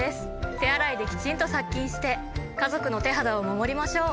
手洗いできちんと殺菌して家族の手肌を守りましょう！